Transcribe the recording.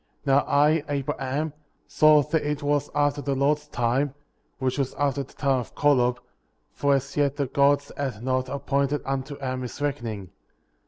Now I, Abraham, saw that it was after the Lord's time,^ which was after the time of Kolob;*' for as yet the Gods had not appointed unto Adam his reckoning.